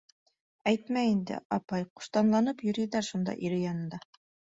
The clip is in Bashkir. — Әйтмә инде, апай, ҡуштанланып йөрөйҙөр шунда ире янында.